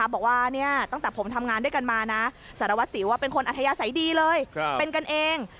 บอกว่าตั้งแต่ผมทำงานด้วยกันมานะสารวัสสิวเป็นคนอัธยาศัยดีเลยเป็นกันเอง